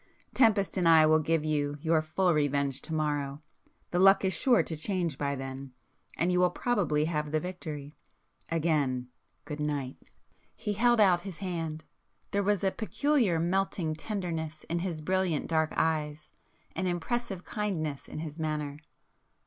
Tempest and I will give you, your full revenge to morrow,—the [p 110] luck is sure to change by then, and you will probably have the victory. Again—good night!" He held out his hand,—there was a peculiar melting tenderness in his brilliant dark eyes,—an impressive kindness in his manner.